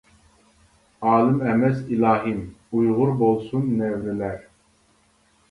ئالىم ئەمەس، ئىلاھىم :ئۇيغۇر بولسۇن نەۋرىلەر.